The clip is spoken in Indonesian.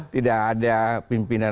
tidak ada pimpinan